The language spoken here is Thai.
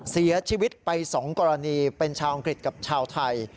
เสียชีวิตไป๒กรณีเป็นชาวอังกฤษกับชาวไทย